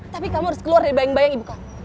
tapi kamu harus keluar dari bayang bayang ibu kamu